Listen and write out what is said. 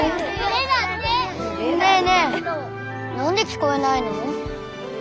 ねえねえ何で聞こえないの？